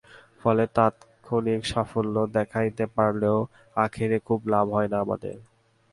ফলে তাৎক্ষণিক সাফল্য দেখাতে পারলেও আখেরে খুব লাভ হয় না আমাদের।